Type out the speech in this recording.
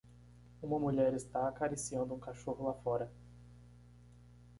Uma mulher está acariciando um cachorro lá fora.